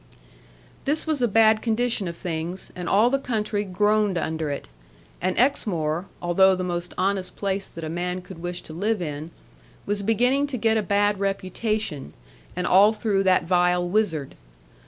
This was a bad condition of things, and all the country groaned under it; and Exmoor (although the most honest place that a man could wish to live in) was beginning to get a bad reputation, and all through that vile wizard.